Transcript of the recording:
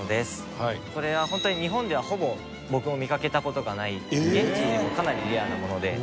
これは本当に日本ではほぼ僕も見かけた事がない現地でもかなりレアなもので。